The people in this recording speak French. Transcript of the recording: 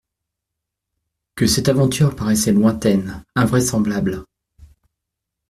Que cette aventure paraissait lointaine, invraisemblable.